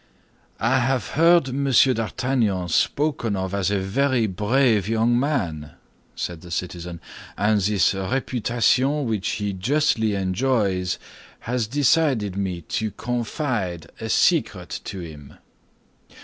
"I have heard Monsieur d'Artagnan spoken of as a very brave young man," said the citizen; "and this reputation which he justly enjoys had decided me to confide a secret to him."